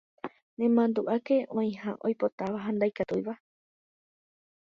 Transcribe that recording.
Nemandu'áke oĩha oipotáva ha ndaikatúiva.